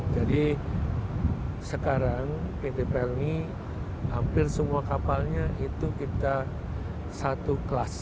jadi sekarang pt pelni hampir semua kapalnya itu kita satu kelas